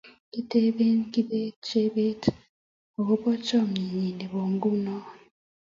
kiteben kibet Chebet agoba chamanenyi nebo nguno